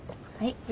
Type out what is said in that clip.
はい。